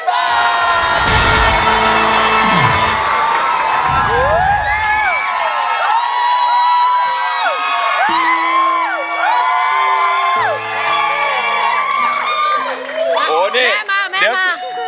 แม่มาแม่มา